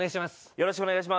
よろしくお願いします。